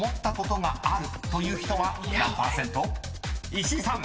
［石井さん］